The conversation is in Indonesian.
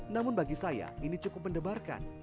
namun bagi saya ini cukup mendebarkan